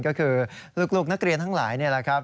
ก็คือลูกนักเรียนทั้งหลายนี่แหละครับ